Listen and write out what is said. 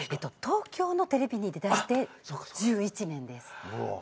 東京のテレビに出だして１１年です。